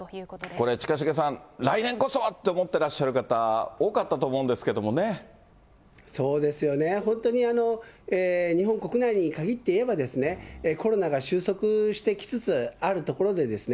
これ、近重さん、来年こそはって思っていらっしゃる方、多かったと思うんですけどそうですよね、本当に日本国内に限って言えば、コロナが収束してきつつあると思うんですね。